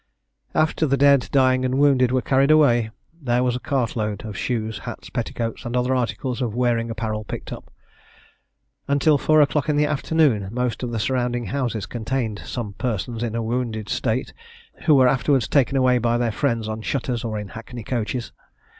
After the dead, dying, and wounded, were carried away, there was a cart load of shoes, hats, petticoats, and other articles of wearing apparel, picked up. Until four o'clock in the afternoon, most of the surrounding houses contained some persons in a wounded state, who were afterwards taken away by their friends on shutters, or in hackney coaches.